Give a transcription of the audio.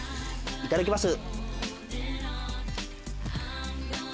いただきます。